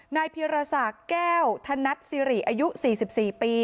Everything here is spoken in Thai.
นายเพียรษาแก้วถนัดซิริอายุ๔๔ปี